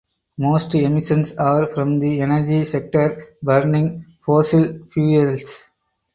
Most emissions are from the energy sector burning fossil fuels.